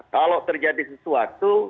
kalau terjadi sesuatu